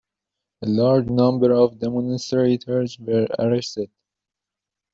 A large number of demonstrators were arrested.